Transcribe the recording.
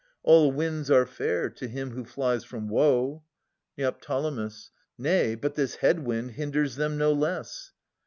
All winds are fair to him who flies from woe. Neo. Nay, but this head wind hinders them no less.